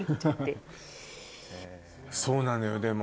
そうなのよでも。